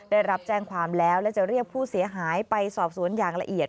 ได้รับแจ้งความแล้วและจะเรียกผู้เสียหายไปสอบสวนอย่างละเอียด